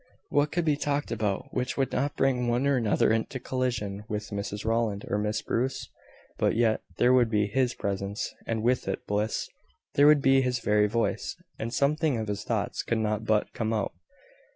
What could be talked about which would not bring one or another into collision with Mrs Rowland or Miss Bruce? But yet, there would be his presence, and with it, bliss. There would be his very voice; and something of his thoughts could not but come out.